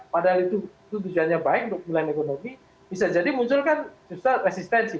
padahal itu tujuannya baik untuk pemulaan ekonomi bisa jadi munculkan justru resistensi